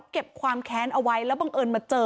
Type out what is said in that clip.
เก็บความแค้นเอาไว้แล้วบังเอิญมาเจอ